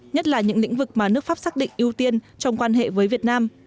nhất là những lĩnh vực mà nước pháp xác định ưu tiên trong quan hệ với việt nam